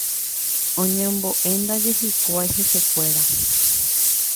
Oñembo'éndaje hikuái hesekuéra.